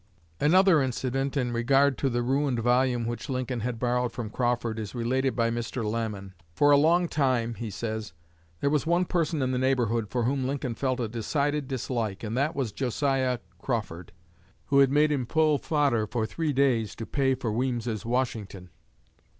Another incident in regard to the ruined volume which Lincoln had borrowed from Crawford is related by Mr. Lamon. "For a long time," he says, "there was one person in the neighborhood for whom Lincoln felt a decided dislike, and that was Josiah Crawford, who had made him pull fodder for three days to pay for Weems's Washington.